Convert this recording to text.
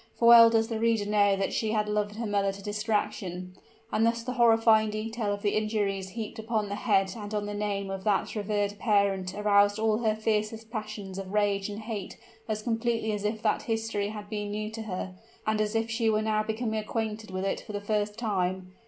For well does the reader know that she had loved her mother to distraction; and thus the horrifying detail of the injuries heaped upon the head and on the name of that revered parent aroused all her fiercest passions of rage and hate as completely as if that history had been new to her, and as if she were now becoming acquainted with it for the first time.